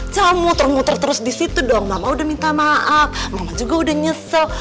saya muter muter terus di situ dong mama udah minta maaf mama juga udah nyesel